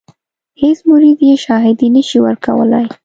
هیڅ مرید یې شاهدي نه شي ورکولای.